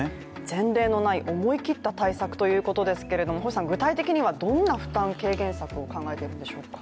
前例のない思い切った対策ということですけど具体的にはどんな負担軽減策を考えているんでしょうか？